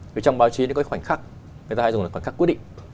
vì trong báo chí nó có cái khoảnh khắc người ta hay dùng là khoảnh khắc quyết định